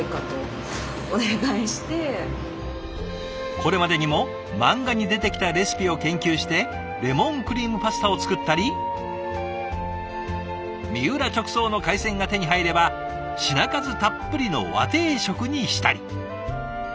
これまでにも漫画に出てきたレシピを研究してレモンクリームパスタを作ったり三浦直送の海鮮が手に入れば品数たっぷりの和定食にしたり。